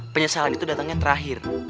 penyesalan itu datangnya terakhir